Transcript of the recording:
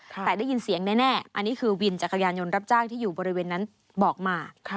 แต่ได้ยินเสียงแน่อันนี้คือวินจักรยานยนต์รับจ้างที่อยู่บริเวณนั้นบอกมา